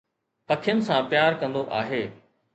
پکين سان پيار ڪندو آهي